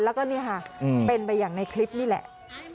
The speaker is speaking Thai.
แล้วก็นี่ค่ะเป็นไปอย่างในคลิปนี่แหละ